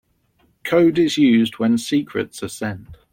Code is used when secrets are sent.